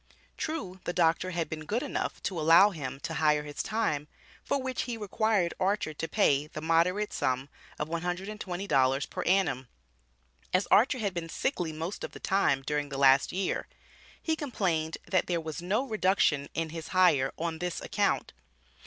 True, the doctor had been good enough to allow him to hire his time, for which he required Archer to pay the moderate sum of $120 per annum. As Archer had been "sickly" most of the time, during the last year, he complained that there was "no reduction" in his hire on this account.